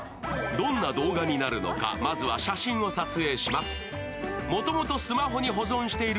どんな動画になるのか、まずは写真を撮影します。